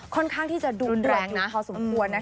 ค่อนข้างที่จะดูรวกหลุดขอสมควร